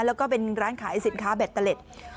แล้วก็เป็นร้านขายสินค้าแบตเตอร์เล็ต